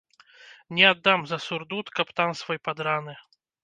Не аддам за сурдут каптан свой падраны.